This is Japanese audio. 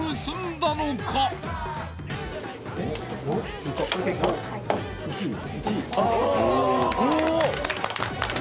すごい。